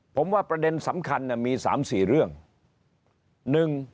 ผมว่าประเด็นสำคัญมี๓๔เรื่อง